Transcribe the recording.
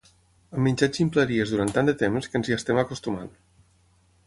Hem menjat ximpleries durant tant de temps que ens hi estem acostumant.